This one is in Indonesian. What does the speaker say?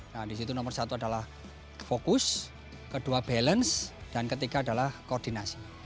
nah disitu nomor satu adalah fokus kedua balance dan ketiga adalah koordinasi